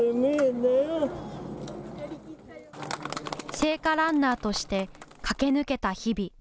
聖火ランナーとして駆け抜けた日々。